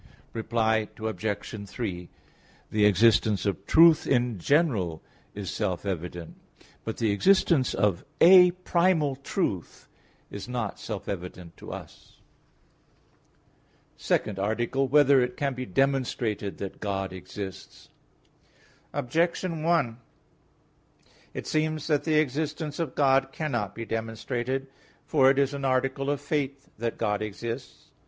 Reply Obj. 3: The existence of truth in general is self evident but the existence of a Primal Truth is not self evident to us. _______________________ SECOND ARTICLE [I, Q. 2, Art. 2] Whether It Can Be Demonstrated That God Exists? Objection 1: It seems that the existence of God cannot be demonstrated. For it is an article of faith that God exists.